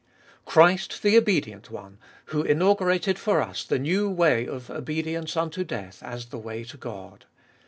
3. Christ, the obedient One, who inaugurated for us the new way of obedience unto death as the way to God.